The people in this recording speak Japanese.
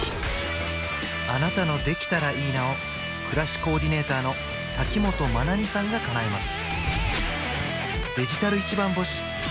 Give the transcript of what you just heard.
あなたの「できたらいいな」を暮らしコーディネーターの瀧本真奈美さんがかなえます